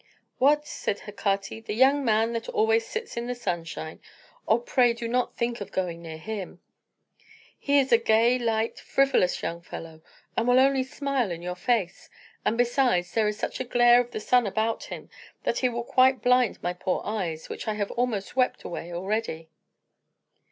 "What," said Hecate, "the young man that always sits in the sunshine? Oh, pray do not think of going near him. He is a gay, light, frivolous young fellow, and will only smile in your face. And besides, there is such a glare of the sun about him that he will quite blind my poor eyes, which I have almost wept away already."